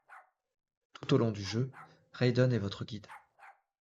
Tout au long du jeu, Raiden est votre guide.